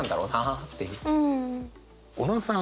小野さん